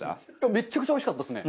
めちゃくちゃおいしかったですね。